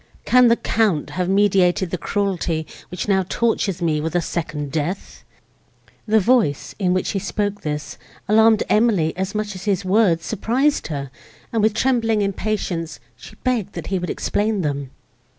Can the Count have meditated the cruelty, which now tortures me with a second death?" The voice, in which he spoke this, alarmed Emily as much as his words surprised her, and, with trembling impatience, she begged that he would explain them.